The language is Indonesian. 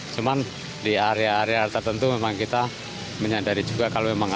cuman di area area tertentu memang kita menyadari juga kalau memang ada